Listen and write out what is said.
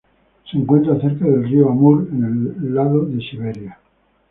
Se encuentra cerca del río Amur en el lado de Siberia.